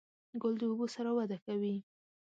ګل د اوبو سره وده کوي.